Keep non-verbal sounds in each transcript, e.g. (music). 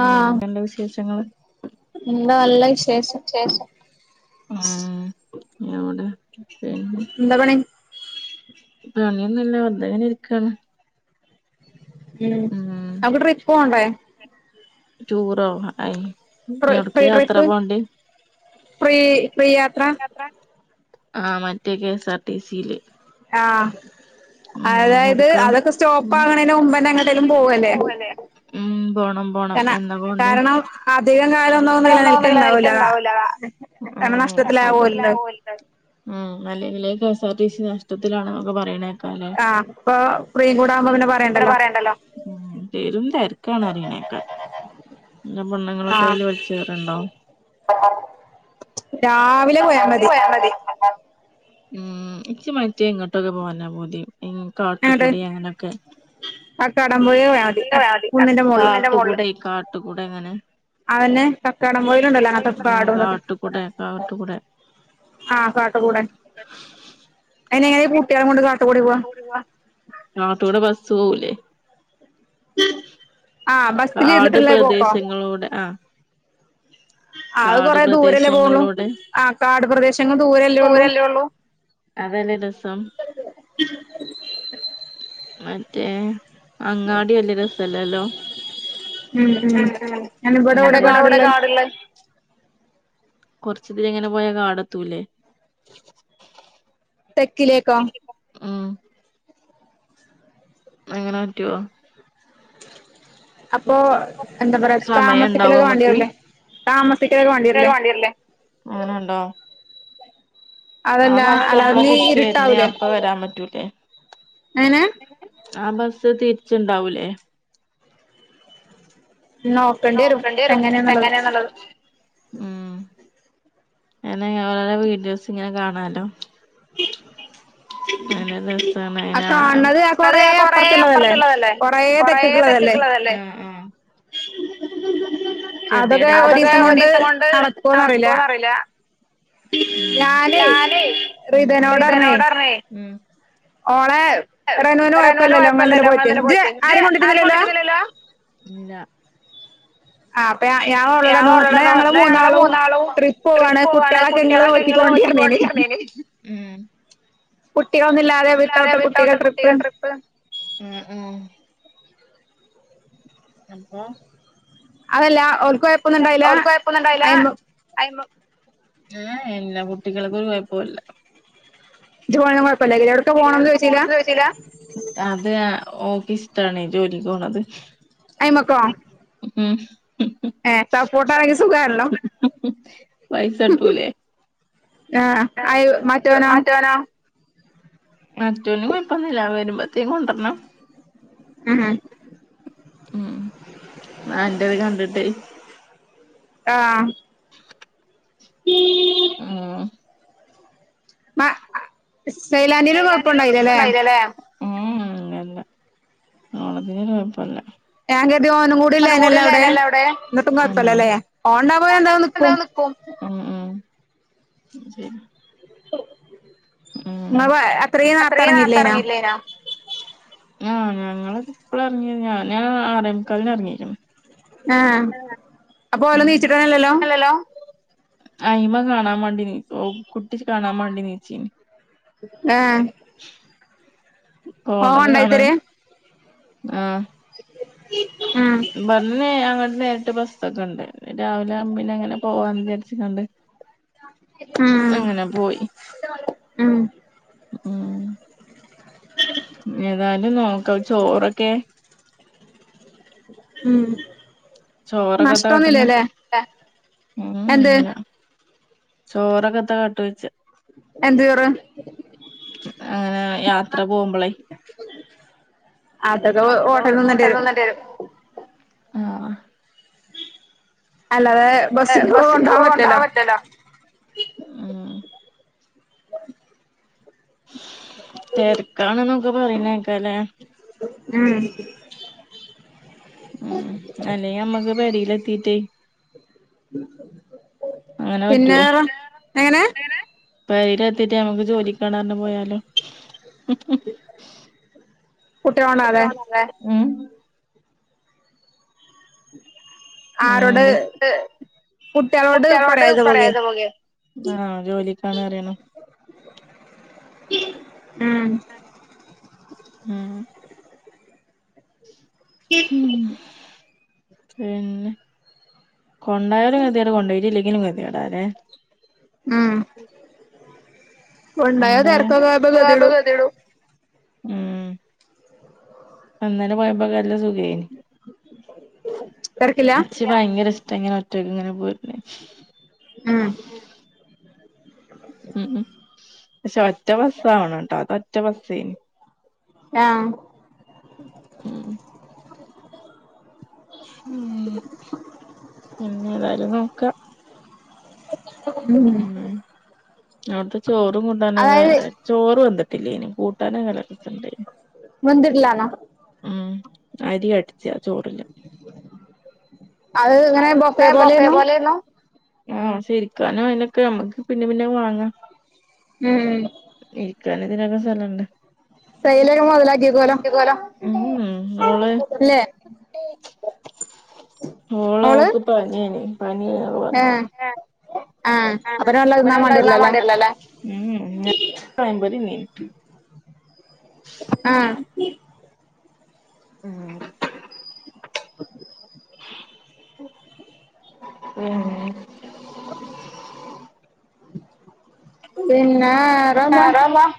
ഉം എന്ത്ണ്ട് വിശേഷങ്ങള് ഉം എവ്ടെ എന്താ പണി പണിയൊന്നുല്ല വേർതെങ്ങനെ ഇരിക്കാണ് ഉം നമ്ക്ക് ട്രിപ്പോണ്ടേ ടുറോ അയ്ന് എവിട്ക്കെ യാത്ര പോണ്ടേ ആഹ് മറ്റേ K S R T C യില് ആഹ് അതായത് അതൊക്കെ സ്റ്റോപ്പാക്ണേന്റെ മുമ്പെന്നെ എങ്ങോട്ടേലും പോവല്ലേ ഉം പോണം പോണം എന്നാ പോണ്ടേ ഉം ശെരി ഉം അല്ലെങ്കിലേ K S R T C നഷ്ടത്തിലാണ്നോക്കെ പറയ്ണെകാ ആഹ് ഇപ്പൊ ഫ്രീ ഉം പേരും തെരക്കാണ് അറിണേക്കാ ഇള്ള പെണ്ണ്ങ്ങളൊക്കെ അയില് വെലിച്ചെർണ്ടാവും രാവിലെ പോയാ മതി ഉം ഇച്ച്‌മറ്റേ ഇങ്ങോട്ടൊക്കെ പോവാനാ പൂതി ഉം കാട്ടുകൂടി അങ്ങനൊക്കെ കാട്ട് കൂടെ കാട്ട് കൂടെങ്ങനെ അതന്നെ കക്കാടം പോഴിലുണ്ടല്ലോ അങ്ങന്ത്തെ പാടവുംഇതൊക്കെ ആഹ് കാട്ട് കൂടെ അയിന് എങ്ങനെ കൂട്യാളെ കൊണ്ട് കാട്ട് കൂടി പോവാ നാത്തൂന് ബസ്സ് പോവൂലെ? കാട് പ്രദേശങ്ങളൂടെ ആഹ്. കാട് പ്രദേശങ്ങളോടെ അതലെ രസം. മറ്റേ അങ്ങാടി വല്യ രസല്ലല്ലോ? ഉം ഉം അയ്ന് ഇവ്ടെ ഒവ്ടെ കാട്ള്ളെ? കൊർച്ചിതിലങ്ങനെ പോയാ കാടെത്തൂലേ? തെക്കിലേക്കോ. ഉം. അങ്ങനെ പറ്റോ? അപ്പോ എന്താ പറ്യാ താമസിക്കലൊക്കെ വാണ്ടിവരൂല്ലേ താമസിക്കലൊക്കെ വാണ്ടി (unintelligible) അങ്ങനെണ്ടോ? ആ ബസ്സെപ്ലാ തിര്ച്ച് വര്ന്നേ അപ്പ വരാൻ പറ്റൂലേ? ആ ബസ്സ് തിര്ച്ച്ണ്ടാവൂലേ? നോക്കണ്ടിരും എങ്ങനെന്ന്ള്ളത്. ഉം ഇങ്ങനെ ഓരോ വീഡിയോസ് ഇങ്ങനെ കാണാലോ. (inaudible) ആഹ് കാണ്ണത് ആ കൊറ അപ്പർ ത്ത്ള്ളതല്ലേ കൊറേ തെക്ക്ക്ക് ള്ളതല്ലേ? ല്ലെ ഉം ഉം. (inaudible) അവടെ ഒരീസം കൊണ്ട് നടക്കോന്നറീലാ. ഞാനെ മ് മ് റിതനോടറ്ഞ്ഞേ ഓളെ റെനൂന് കോഴപ്പല്ലല്ലോ ഇങ്ങളിന്നലെ പോയിട്ട് ഇജ്ജ് ആരെയും കൊണ്ടയ്ട്ടില്ലല്ലോ? ഇല്ല. ഞാ ഓളോടർഞ്ഞു ന്നാ ഞങ്ങള് മൂന്നാളും ട്രിപ്പോവാണ് കുട്യാളൊക്കെ ഇങ്ങള് നോക്കിക്കോണ്ടിഅർഞ്ഞു. (unintelligible) ഉം. കുട്ടികളൊന്നുല്ലാ ല്ലാതെ വിട്ടോട്ട് കുട്ടികൾ ട്രിപ്പ് ഉം ഉം. അപ്പോ അഅല്ല ഓൽക്കൊയപ്പൊന്നുണ്ടായില്ലാ അയമു അയ്മ ഏ ഏ ഇല്ലാ കുട്ടികൾക്കൊരുകൊഴപ്പുല്ല. ഇച്ച് പോണഴപ്പല്ലാ എവ്ട്ക്കാ പോണന്ന് ചോയ്ച്ചില്ല? അത് ഓക്ക് ഇഷ്ടാണേ ജോലിക്കോണത്. ഐമക്കോ? ഉം. ഏ സപ്പോട്ടാങ്കി സുഖായല്ലോ. പൈസട്ടൂലേ. താണ് മറ്റോനോ? മറ്റോന് കൊയപ്പൊന്നുല്ല വരുമ്പോത്തേംകൊണ്ടര്ണം. ഉം ആ അൻ്റത് കണ്ട്ട്ടേ. ആഹ്. മ സൈലാന്റീല് കൊഴപ്പണ്ടായില്ലല്ലേ. ല്ലേ. ഉം ഇല്ലല്ല ഓളത്തിന്‌കൊഴപ്പല്ല. ഞാൻ കര്തി ഓനുകൂടില്ലേന്യല്ലോ അവ്ടെ ന്ന്ട്ടും കൊയ്പ്പല്ലലെ ഓണ്ടാമ്പോ പിന്നെന്താലും നിക്കും. ഉം ഉം ശെരി. ഉം അത്രീം നേര്ത്തെർങ്ങില്ലേനൊ? ആഹ് ഞങ്ങള്പ്ല എർങ്ങയെ ഞാനെ ആറെമുക്കാൽന്ന് എറങ്ങീക്ക്ണ്. ആഹ് അപ്പൊ ഓലോനീച്ചിട്ടന്നെ ല്ലല്ലോ? അയിമ്മകാണാവാണ്ടി നീ ഓ കുട്ടിക്ക് കാണാമാണ്ടി നീച്ചീന് ഏഹ് പോണത് കാണാൻ ആഹ് ഉം ഇബടന്ന് നേ അങ്ങട്ട് നേരിട്ട് ബസ്സക്കണ്ട് രാവിലാമ്പ പിന്നങ്ങന പോവാന്ന് ചാരിച്ച്കാണ്ട് അങ്ങന പോയി ഉം ഉം ഏതായാലു നോക്കാ ചോറൊക്കെ ഉം ചോറൊക്കെത്ത (unintelligible) ചോറൊക്കെത്താട്ട് വെച്ചെ എന്ത് ചോറ് അതൊക്ക ഓ ഓട്ടൽന്നിന്നണ്ടിരും ആഹ് അല്ലാതെ ബസ്സില് കൊണ്ടാവാൻ പറ്റില്ലല്ലോ ഉം തെരക്കാണന്നൊക്കെ പറയുന്നേക്കാലേ ഉം ഉം അല്ലെങ്കി അമ്മക്ക് പെരിലെത്തിറ്റേ അങ്ങനെ പറ്റോ പെരിലെത്തിറ്റ് മ്മക്ക് ജോലി കാണറിന്നർഞ്ഞ് പോയാലോ (unintelligible) ഉം ഉം ണ്ട് കുട്ട്യളോട് പറയതെ പോകെ ആഹ് ജോലിക്കാണറിയണം ഉം ഉം പിന്നെ കൊണ്ടായാലും കതിട കൊണ്ടോട്ടല്ലെങ്കിലും കതിേട അല്ലേ ഉം കൊണ്ടായാ തിർക്ക്പ ഗതിളൂ ഉം അന്നേനെ പോയ്പൊക്കല്ല സുഖേന് തെരക്കില ഭയങ്കര ഇഷ്ടാ ഇങ്ങനെ ഒറ്റയ്ക് ഇങ്ങനെ പോര്നെ ഉ ഉം ഉം ഉം പക്ഷെ ഒറ്റ ബസ്സാവണംട്ട അത് ഒറ്റ ബസ്സേന് ആഹ് ഉം ഉം പിന്നെതായാലും നോക്കാം ഉം അവിടുത്തെ ചോറും കൂട്ടാനൊക്കായാ ചോറ് വെന്ത്ട്ടില്ലേനി കൂട്ടാന് നല്ല രസണ്ടേനി വെന്ത്ട്ടില്ലാന്നോ ഉം അരി കടിച്ച ചോറില് അത് ഇങ്ങനെ ബൊഫേ പോലെന്നു ആഹ് ശരിക്കാനും അനൊക്കെ നമ്മക്ക് പിന്നെ പിന്നെ വാങ്ങാം ഉം ഇരിക്കാനു ഇതിനൊക്കെ സ്ഥലുണ്ട് ഉം ഓള് മോള് ഓക്ക് പനിയന് പനിയനെ വന്നോളു ആഹ് അപ്പൊ ഒരു നല്ല (unintelligible) വാണ്ടി വരില്ലല്ലേ മ്ഹ് ഞാ വരുമ്പോത് ഇല്ലേ ആഹ് ഉം അ (unintelligible) മ്ഹ് പിന്നെ വേറെന്താ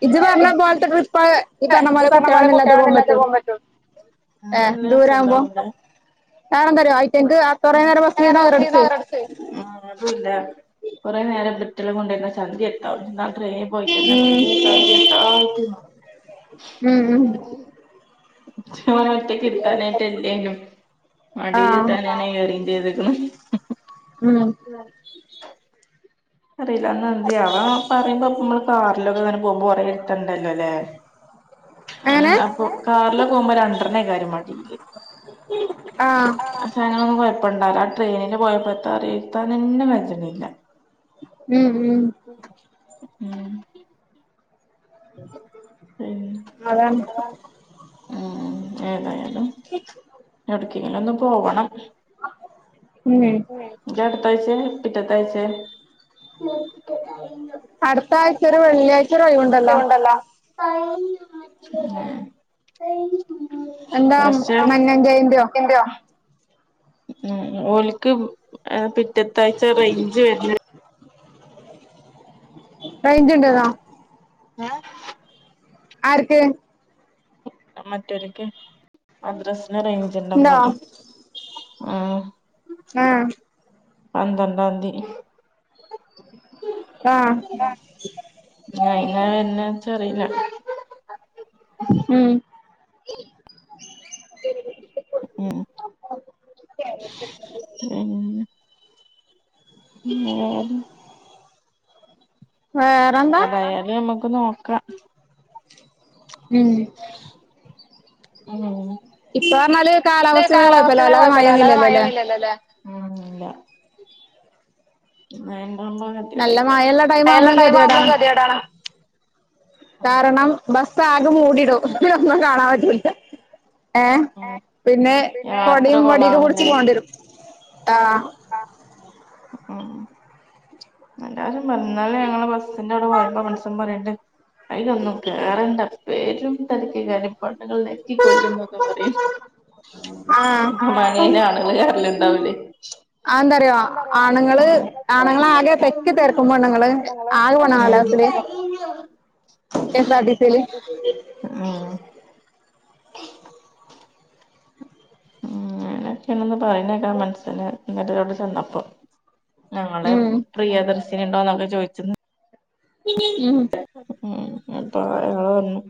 ഇജ്ജ് പറഞ്ഞ പോൽത്ത ട്രിപ്പ് ഈ പറഞ്ഞ പോലെ കുട്ടികളൊന്നും ഇല്ലാതെ പോവാൻ പറ്റോ ഉ (unintelligible) നാളെന്നാ (unintelligible) വേറെന്തരോ അയിറ്റങ്ങ്ക്ക് ആഹ് കൊറേ നേരം ബസ്സീരുന്നാ (unintelligible) (unintelligible) ആഹ് അതും ഇല്ല കൊറേ നേരം കുട്ട്യളേം കൊണ്ട് നിന്നാ ചന്തി (unintelligible) എന്നാ ട്രെയിനി പോയിട്ടന്നേ റബ്ബേ (unintelligible) ശ്ശൊ ഒറ്റക്ക് ഇരുത്താനായിട്ട് എന്തെയ്യണം മടീലിരുത്താൻ ഞാനെ അറേഞ്ചേയ്ത്ക്കണ് ഉം (unintelligible) അറിയില്ല എന്നാ എന്തിയേ അവൻ പറയുമ്പോ ഇമ്മള് കാറിലൊക്കെ അങ്ങനെ പോകുമ്പോ പറയും എത്തെണ്ടേല്ലൊ അല്ലേ ഉം അപ്പൊ കാറിലെ പോവുമ്പോ (unintelligible) മടീല് ആഹ് ഞങ്ങളേന്നും കൊഴപ്പ ഉണ്ടാക ആ ട്രെയിനിന് പോയപ്പോ എന്താ പറയാ എത്താനന്നെ (unintelligible) ഉം ഉം ഉം ഉം അതാണ് എവിടെക്കെങ്കിലും ഒന്ന് പോവണം മ്ഹ് ഇജ്ജ് അടുത്താഴ്ച്ചേ പിറ്റത്തെ ആഴ്‌ച്ചേ അടുത്ത ആഴ്ച (unintelligible) മ്ഹ് എന്താ മന്നം ജയന്തിയോ (unintelligible) ഉം ഓൽക്ക് ഏഹ് പിറ്റത്തെ ആഴ്ച്ച റേഞ്ച് വരുന്നൊരു ഉ (inaudible) റെയിഞ്ച് ഉണ്ടല്ലൊ ഏഹ് ആർക്ക് മറ്റോര്ക്ക് മദ്രാസിന്ന് റേഞ്ച് (unintelligible) ആഹ് ആഹ് പന്ത്രണ്ടാന്തി ആഹ് ഞായില്ലാതെ എന്നാച്ചാ അറിയില്ല ഉം ഉം ഉം ഏതും ആഹ് ഏതായാലും നമ്മക്ക് നോക്കാം മ്ഹ് മ്ഹ് (unintelligible) കാലാവസ്ഥ വേറെ കൊഴപ്പല്ല അല്ലാതെ മഴേന്നും ഇല്ലല്ലോ അല്ലേ ഉം ഇല്ല (unintelligible) അയിന്ള്ള ടൈമാവുമ്പളേക്ക് മതിയെടാ കാരണം ബസ് ആകെ മുടീടും പിന്നെ ഒന്നും കാണാൻ പറ്റൂല ഏഹ് പിന്നെ കൊടയും വടിയൊക്കെ പിടിച്ച് പോണ്ടി വരും ആഹ് ആഹ് ഉം എല്ലാരും പറഞ്ഞ് ഇന്നലെ ഞങ്ങള് ബസ്സിന്റെ അവിടെ പോയപ്പോ മനുഷ്യൻ പറയണ്ട് അതിലൊന്നും കേറണ്ട പേരും തിരക്കാ കാര്യം (unintelligible) പണ്ടങ്ങൾ ഞെക്കി കൊല്ലും എന്നൊക്കെ പറയും ആ (inaudible) ഹമാണെ (unintelligible) ആണുകള് കേറല്ല ഇണ്ടാവലേ ആഹ് എന്താറിയോ ആണുങ്ങള് ആണുങ്ങൾ ആകെ തെക്കി തെർക്കു പെണ്ണുങ്ങള് ആകെ (unintelligible) കെ എസ് ആർ ടി സില് ഉമ്മ് ഉം അങ്ങനൊക്കെയാണന്ന് പറയഞ്ഞേക്കാ മനസ്സന് ഇട്ടോട് ചെന്നപ്പോ ഞങ്ങടെ പ്രിയദർശിനി ഉണ്ടോന്നൊക്കെ ചോദിച്ചന്ന് ഉം ഉം ഇപ്പൊ അയാള് പറഞ്ഞു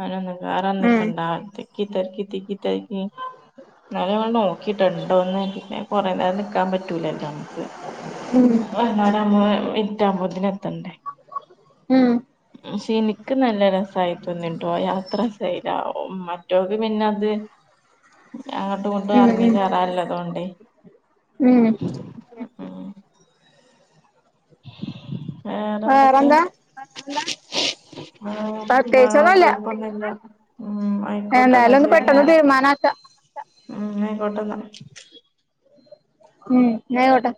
അതിലൊന്നും കേറാൻ നിക്കണ്ടാ തി തിക്കി തിരക്കി തിക്കി തിരക്കി നര വ (unintelligible) നോക്കിട്ടുണ്ടോന്ന് പിന്നെ കുറെ നേരം നിക്കാൻ പറ്റൂലല്ലോ നമുക്ക് ഉം വന്നാല് വിറ്റാമ്പോതിന് (unintelligible) എത്തണ്ടേ ഉം ശനിക്ക് നല്ല രസമായി തോന്നിട്ടോ യാത്ര രസല്ല (unintelligible) മറ്റോക്ക് പിന്നെ അത് അങ്ങോട്ടും ഇങ്ങോട്ടും ഇറങ്ങി കേറാല്ലോ അതുകൊണ്ടേ ഉം വേറെന്തൊക്കെയാ വേറെന്താ കുഴപ്പൊന്നുല്ല ഉം എന്തായാലും ഒന്ന് പെട്ടെന്ന് തീരുമാനമാക്ക ഉം ആയിക്കോട്ടന്നാല് ഉം ന്നാ ആയിക്കോട്ടെ